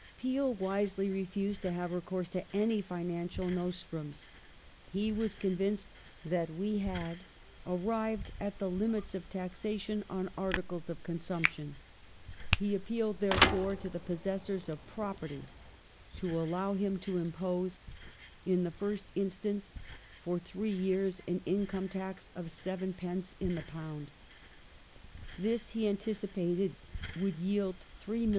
Peel wisely refused to have recourse to any financial nostrums ; The in he was convinced that we had arrived at the limits of taxation on ^°"™®^^^ articles of consumption "; he appealed, therefore, to the possessors of property to allow him to impose — in the first instance for three years — an income tax of 7d. in the £. This he anticipated would yield £3,700,000.